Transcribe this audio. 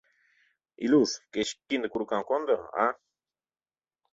— Илюш, кеч кинде курикам кондо, а?